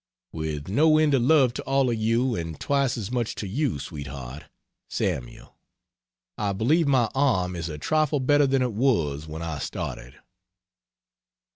With no end of love to all of you and twice as much to you, sweetheart, SAML. I believe my arm is a trifle better than it was when I started.